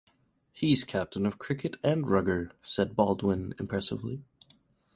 "He's captain of cricket and Rugger," said Baldwin impressively.